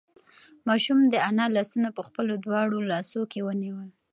ماشوم د انا لاسونه په خپلو دواړو لاسو کې ونیول.